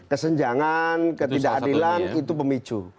kesenjangan ketidakadilan itu pemicu